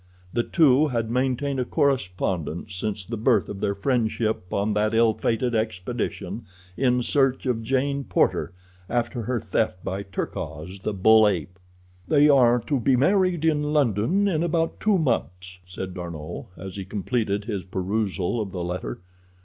The two had maintained a correspondence since the birth of their friendship on that ill fated expedition in search of Jane Porter after her theft by Terkoz, the bull ape. "They are to be married in London in about two months," said D'Arnot, as he completed his perusal of the letter.